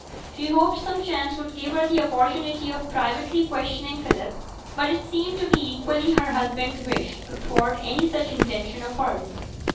She hoped some chance would give her the opportunity of privately questioning Philip, but it seemed to be equally her husband's wish to thwart any such intention of hers.